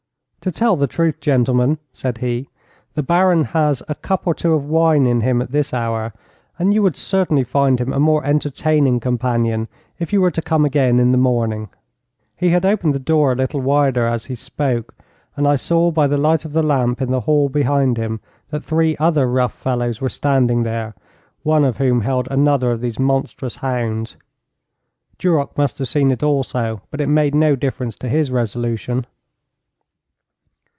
'To tell the truth, gentlemen,' said he, 'the Baron has a cup or two of wine in him at this hour, and you would certainly find him a more entertaining companion if you were to come again in the morning.' He had opened the door a little wider as he spoke, and I saw by the light of the lamp in the hall behind him that three other rough fellows were standing there, one of whom held another of these monstrous hounds. Duroc must have seen it also, but it made no difference to his resolution.